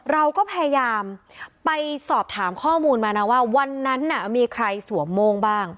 เราก็พยายามไปสอบถามข้อมูลมานะว่าวันนั้นน่ะมีใครสวมโม่งบ้าง